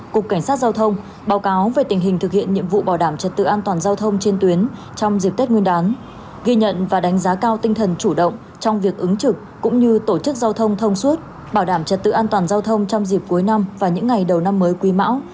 cục cảnh sát giao thông báo cáo về tình hình thực hiện nhiệm vụ bảo đảm trật tự an toàn giao thông trên tuyến trong dịp tết nguyên đán ghi nhận và đánh giá cao tinh thần chủ động trong việc ứng trực cũng như tổ chức giao thông thông suốt bảo đảm trật tự an toàn giao thông trong dịp cuối năm và những ngày đầu năm mới quý mão